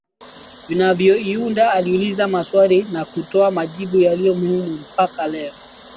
vinavyoiunda aliuliza maswali na kutoa majibu yaliyo muhimu mpaka leo